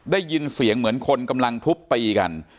ได้ยินเสียงเหมือนคนกำลังทุบตีกัน